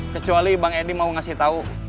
kecuali bang edi mau ngasih tahu